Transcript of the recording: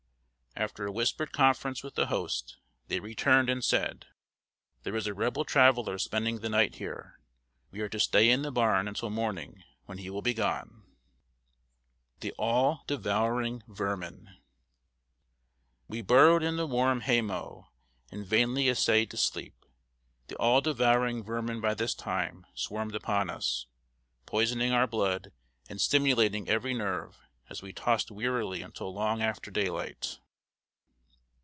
After a whispered conference with the host, they returned and said: "There is a Rebel traveler spending the night here. We are to stay in the barn until morning, when he will be gone." [Sidenote: THE ALL DEVOURING VERMIN.] We burrowed in the warm hay mow, and vainly essayed to sleep. The all devouring vermin by this time swarmed upon us, poisoning our blood and stimulating every nerve, as we tossed wearily until long after daylight.